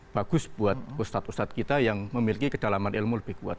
bagus buat ustadz ustadz kita yang memiliki kedalaman ilmu lebih kuat